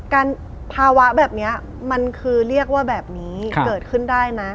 ภาวะแบบนี้มันคือเรียกว่าแบบนี้เกิดขึ้นได้นะ